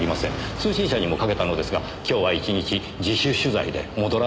通信社にもかけたのですが今日は一日自主取材で戻らないとか。